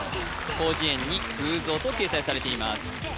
広辞苑に偶像と掲載されています